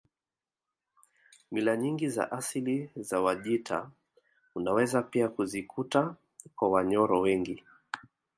Mila nyingi za asili za Wajita unaweza pia kuzikuta kwa Wanyoro wengi